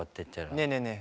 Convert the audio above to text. ねえねえねえ